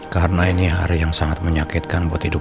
karena ini adalah yang sangat menyakitkan buat accident